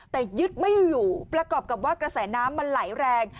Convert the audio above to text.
แต่ยึดไม่อยู่ประกอบกับว่ากระแสน้ำมันไหลแรง